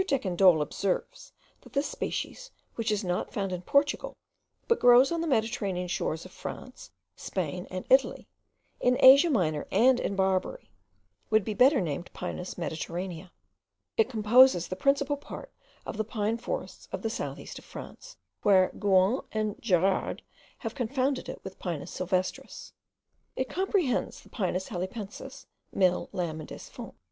Decandolle observes, that this species, which is not found in Portugal, but grows on the Mediterranean shores of France, Spain, and Italy, in Asia Minor, and in Barbary, would be better named Pinus mediterranea. It composes the principal part of the pine forests of the south east of France, where Gouan and Gerard have confounded it with the Pinus sylvestris. It comprehends the Pinus halepensis, Mill., Lamb., and Desfont.